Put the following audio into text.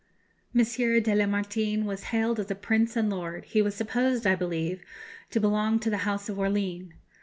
M. de Lamartine was hailed as prince and lord; he was supposed, I believe, to belong to the House of Orleans.